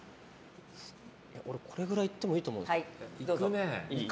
これくらいいってもいいと思うんです。